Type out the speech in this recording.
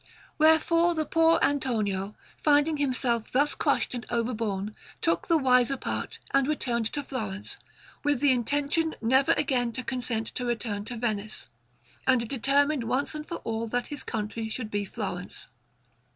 Wherefore the poor Antonio, finding himself thus crushed and overborne, took the wiser part and returned to Florence, with the intention never again to consent to return to Venice, and determined once and for all that his country should be Florence.